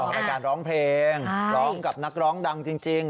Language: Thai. รายการร้องเพลงร้องกับนักร้องดังจริง